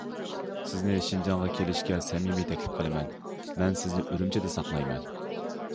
« سىزنى شىنجاڭغا كېلىشكە سەمىمىي تەكلىپ قىلىمەن، مەن سىزنى ئۈرۈمچىدە ساقلايمەن».